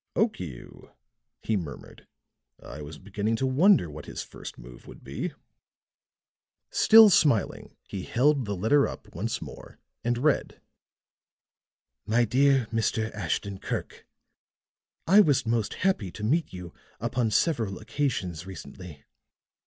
"Okiu," he murmured. "I was beginning to wonder what his first move would be." Still smiling, he held the letter up once more, and read: "MY DEAR MR. ASHTON KIRK: "I was most happy to meet you upon several occasions recently.